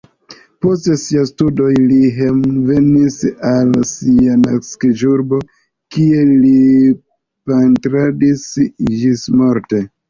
Post siaj studoj li hejmenvenis al sia naskiĝurbo, kie li pentradis ĝismorte.